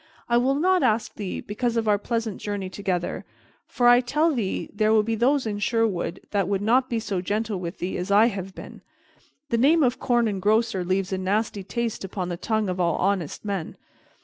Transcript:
I will not ask thee, because of our pleasant journey together; for I tell thee there be those in Sherwood that would not be so gentle with thee as I have been. The name of Corn Engrosser leaves a nasty taste upon the tongue of all honest men.